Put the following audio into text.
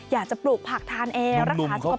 อยากจะปลูกผักทานแอร์รักทานสุขภาพ